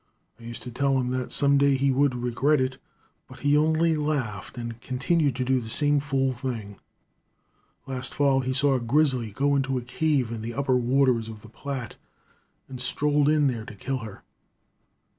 I used to tell him that some day he would regret it, but he only laughed and continued to do the same fool thing. Last fall he saw a grizzly go into a cave in the upper waters of the Platte, and strolled in there to kill her.